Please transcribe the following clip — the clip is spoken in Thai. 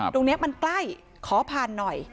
ตรงนี้มันใกล้ขอผ่านหน่อย